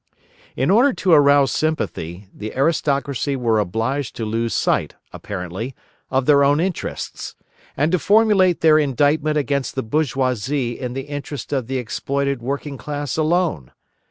In order to arouse sympathy, the aristocracy were obliged to lose sight, apparently, of their own interests, and to formulate their indictment against the bourgeoisie in the interest of the exploited working class alone.